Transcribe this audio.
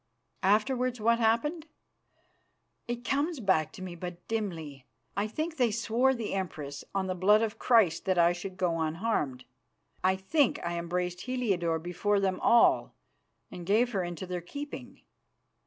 Afterwards what happened? It comes back to me but dimly. I think they swore the Empress on the Blood of Christ that I should go unharmed. I think I embraced Heliodore before them all, and gave her into their keeping.